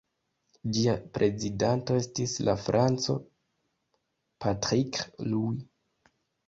Ĝia prezidanto estis la franco Patrick Louis.